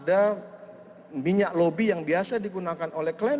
dimana ada minyak lobby yang biasa digunakan oleh ahli kebakaran